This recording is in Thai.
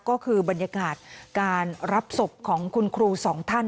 ก็คือบรรยากาศการรับศพของคุณครูสองท่าน